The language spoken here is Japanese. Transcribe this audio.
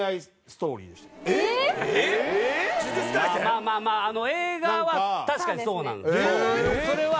まあまあまあ映画は確かにそうなんです。